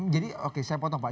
jadi oke saya potong pak